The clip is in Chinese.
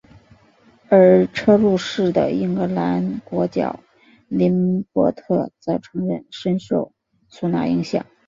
而车路士的英格兰国脚林柏特则承认深受苏拿影响。